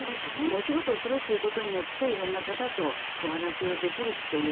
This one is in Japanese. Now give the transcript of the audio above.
仕事をするということによって色々な方とお話をできるという。